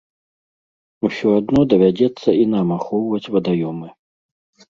Усё адно давядзецца і нам ахоўваць вадаёмы.